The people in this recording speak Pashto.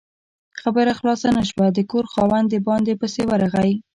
خبره خلاصه نه شوه، د کور خاوند د باندې پسې ورغی